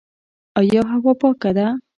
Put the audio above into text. آیا هوا پاکه ده؟